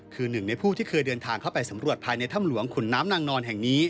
คือหนึ่งในผู้ที่เคยเดินทางเข้าไปสำรวจภายในถ้ำหลวงขุนน้ำนางนอนแห่งนี้